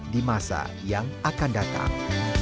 di masa yang akan datang